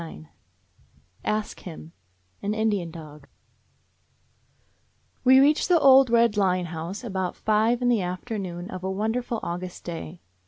193 ASK HIM: AN INDIAN DOG W E reached the old red Line House about five in the afternoon of a won derful August day.